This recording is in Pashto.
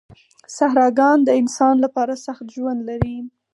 صحراګان د انسان لپاره سخت ژوند لري.